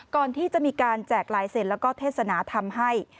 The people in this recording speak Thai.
วันที่จะมีการแจกลายเซ็นแล้วก็เทศนาธรรมให้